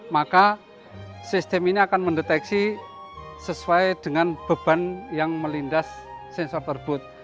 maka sistem ini akan mendeteksi sesuai dengan beban yang melindas sensor tersebut